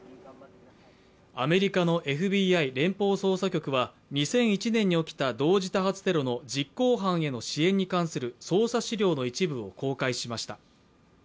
アメリカのＦＢＩ＝連邦捜査局は２００１年に起きた同時多発テロの実行犯への支援に関する捜査資料の一部を公開しました。